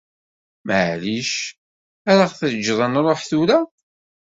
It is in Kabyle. Meɛlic ad ɣ-teǧǧeḍ ad nṛuḥ tura?